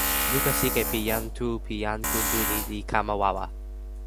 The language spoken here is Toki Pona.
luka sike pi jan Tu pi jan Kuntuli li kama wawa.